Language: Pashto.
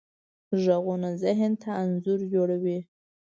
غږونه ذهن ته انځورونه جوړوي.